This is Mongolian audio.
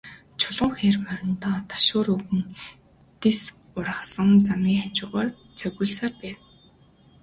Чулуун хээр мориндоо ташуур өгөн, дэрс ургасан замын хажуугаар цогиулсаар байв.